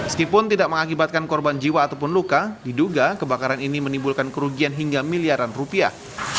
meskipun tidak mengakibatkan korban jiwa ataupun luka diduga kebakaran ini menimbulkan kerugian hingga miliaran rupiah